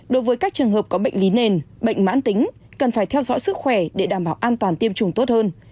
đối với các trường hợp có bệnh lý nền bệnh mãn tính cần phải theo dõi sức khỏe để đảm bảo an toàn tiêm chủng tốt hơn